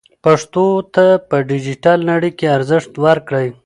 پښتو ته په ډیجیټل نړۍ کې ارزښت ورکړئ.